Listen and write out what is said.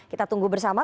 kita tunggu bersama